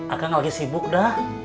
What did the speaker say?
akang lagi sibuk dah